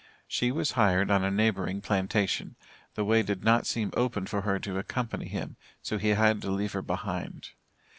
She was hired on a neighboring plantation; the way did not seem open for her to accompany him, so he had to leave her behind.